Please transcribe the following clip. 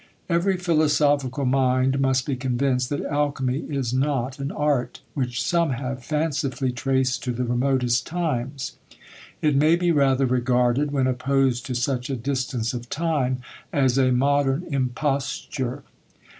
Every philosophical mind must be convinced that alchymy is not an art, which some have fancifully traced to the remotest times; it may be rather regarded, when opposed to such a distance of time, as a modern imposture.